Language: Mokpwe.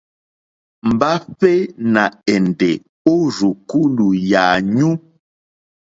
Mbahve nà èndè o rzùkulù yànyu.